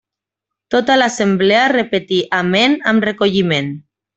Tota l'assemblea repetí Amén amb recolliment.